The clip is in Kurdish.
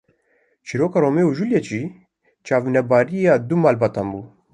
Çîroka Romeo û Juliet jî çavnebariya du malbatan bû